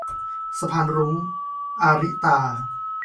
สะพานรุ้ง - อาริตา